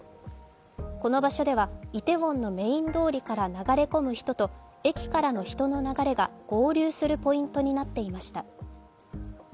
この場所ではイテウォンのメイン通りから流れ込む人と駅からの人の流れが合流するポイントになっていました。